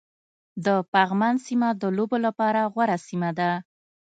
د پغمان سيمه د لوبو لپاره غوره سيمه ده